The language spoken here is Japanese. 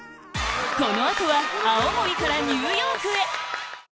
この後は青森からニューヨークへ！